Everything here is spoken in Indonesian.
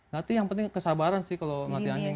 latihan yang penting kesabaran sih kalau melatih anjing